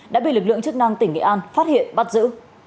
đã bị lực lượng chức năng tỉnh nghệ an phát hiện bắt giữ